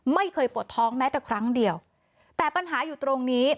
ไม่เคยปวดท้องแม้แต่ครั้งเดียวแต่ปัญหาอยู่ตรงนี้